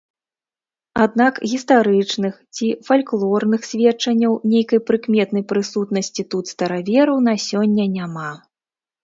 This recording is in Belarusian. Аднак гістарычных ці фальклорных сведчанняў нейкай прыкметнай прысутнасці тут старавераў на сёння няма.